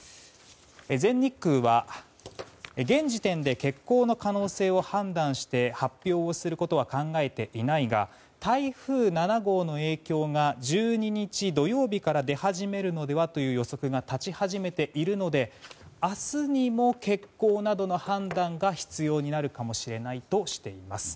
全日空は、現時点で欠航の可能性を判断して発表をすることは考えていないが台風７号の影響が１２日、土曜日から出始めるのではという予測が立ち始めているので明日にも欠航などの判断が必要になるかもしれないとしています。